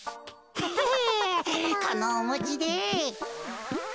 ヘヘこのおもちで。